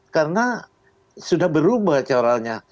karena sudah berubah caranya